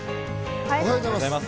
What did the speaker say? おはようございます。